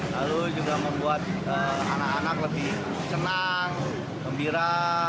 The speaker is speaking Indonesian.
lalu juga membuat anak anak lebih senang gembira